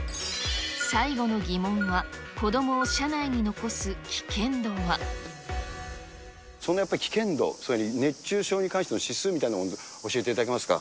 最後の疑問は、子どもを車内危険度、つまり熱中症に関しての指数みたいなものを教えていただけますか。